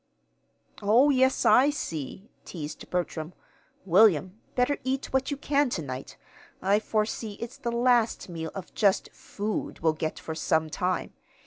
"Oh, yes, I see," teased Bertram. "William, better eat what you can to night. I foresee it's the last meal of just food we'll get for some time.